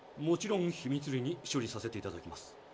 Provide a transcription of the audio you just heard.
もちろん秘密裏に処理させていただきます。